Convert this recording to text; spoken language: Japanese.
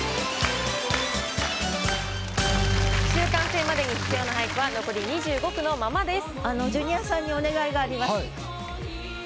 句集完成までに必要な俳句は残り２５句のままです。